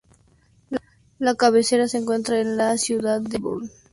La cabecera se encuentra en la ciudad de Cleburne.